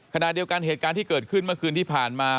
ขณะเดียวกันเหตุการณ์ที่เกิดขึ้นเมื่อคืนที่ผ่านมา